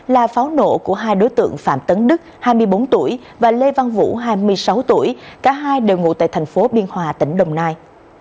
là pháo nổ của hai đối tượng phạm tấn đức hai mươi bốn tuổi và lê văn vũ hai mươi sáu tuổi cả hai đều ngụ tại thành phố biên hòa tỉnh đồng nai